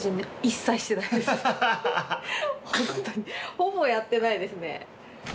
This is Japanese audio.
ほぼやってないですね。